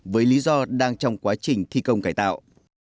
với lý do đang trong quá trình thi công cải tạo